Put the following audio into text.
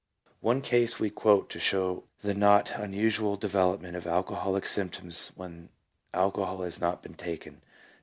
One case we quote to show the not unusual development of alcoholic symptoms when alcohol has not been taken.